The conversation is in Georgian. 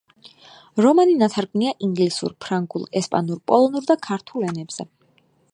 რომანი ნათარგმნია ინგლისურ, ფრანგულ, ესპანურ, პოლონურ და ქართულ ენებზე.